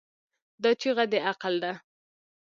دا چیغه د عقل ده.